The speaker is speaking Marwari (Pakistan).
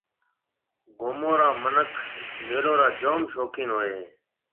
گومون را مِنک ميݪو را جوم شوقين ھوئيَ ھيََََ